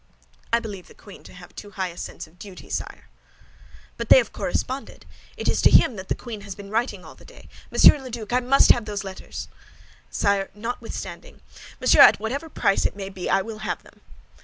"I believe the queen to have too high a sense of her duty, sire." "But they have corresponded; it is to him that the queen has been writing all the day. Monsieur Duke, I must have those letters!" "Sire, notwithstanding—" "Monsieur Duke, at whatever price it may be, I will have them."